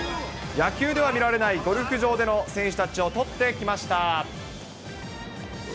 野球では見られない、ゴルフ場での選手たちを撮ってきました。